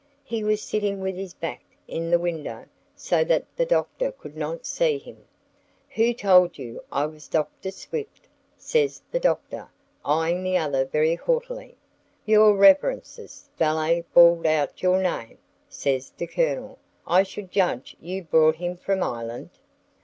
He was sitting with his back in the window, so that the Doctor could not see him. "Who told you I was Dr. Swift?" says the Doctor, eying the other very haughtily. "Your Reverence's valet bawled out your name," says the Colonel. "I should judge you brought him from Ireland?"